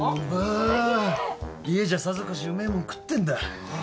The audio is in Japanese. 家じゃさぞかしうめえもん食ってんだ。